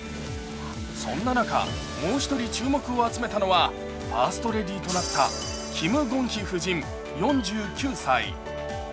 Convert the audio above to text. そんな中、もう１人注目を集めたのはファーストレディーとなったキム・ゴンヒ夫人４９歳。